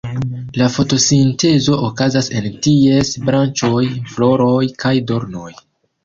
La fotosintezo okazas en ties branĉoj, floroj kaj dornoj.